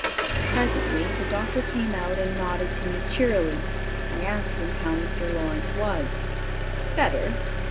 Presently the doctor came out and nodded to me cheerily. I asked him how Mr. Lawrence was. "Better